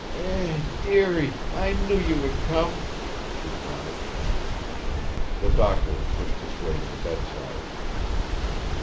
"Eh, dearie, I knew you would come," she cried. The doctor pushed his way to the bedside.